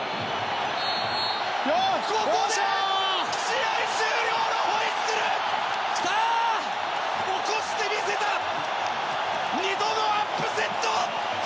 ここで試合終了のホイッスル！起こしてみせた２度のアップセット！